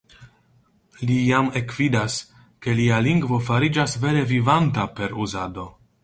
Li jam ekvidas, ke lia lingvo fariĝas vere vivanta per uzado.